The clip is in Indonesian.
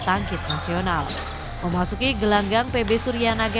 tangkis nasional memasuki gelanggang pb suryanaga